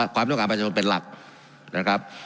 ความต้องการประชาชนเป็นหลักนะครับ